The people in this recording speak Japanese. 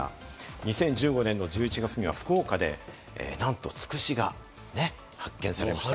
２０１５年１１月には福岡でなんとつくしが発見されました。